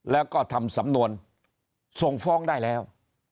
แล้วก็ทำสำนวนส่งฟ้องได้แล้ว